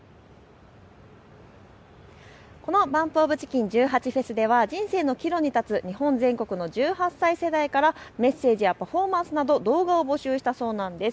このＢＵＭＰＯＦＣＨＩＣＫＥＮ１８祭では人生の岐路に立つ日本全国の１８歳世代からメッセージやパフォーマンスなど動画を募集したそうなんです。